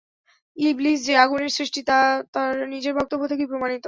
ইবলীস যে আগুনের সৃষ্টি তা তার নিজের বক্তব্য থেকেই প্রমাণিত।